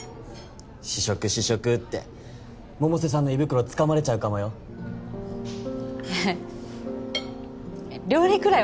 試食試食って百瀬さんの胃袋つかまれちゃうかもよえっ料理くらい